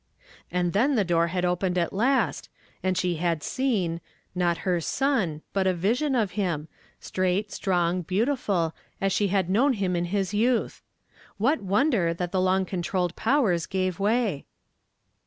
And then tlie door had opened at last, and she had seen, not her sou, but a vision of him, straiplit, strong, beautiful, as she had known him in his youth! What wonder that the long controlled powers gave way